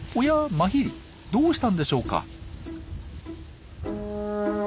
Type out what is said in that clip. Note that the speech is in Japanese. マヒリどうしたんでしょうか。